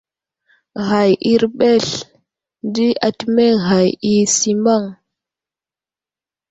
Ghay i erɓels di atimeŋ ghay i simaŋ.